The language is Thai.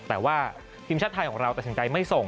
แต่ว่าทีมชาติไทยของเราตัดสินใจไม่ส่ง